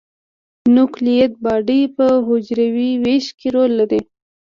نوکلوئید باډي په حجروي ویش کې رول لري.